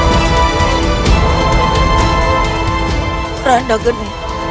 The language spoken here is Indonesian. aku adalah kuranda geni